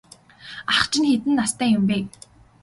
Ах чинь хэдэн настай юм бэ?